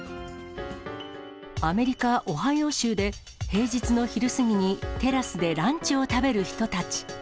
アメリカ・オハイオ州で、平日の昼過ぎに、テラスでランチを食べる人たち。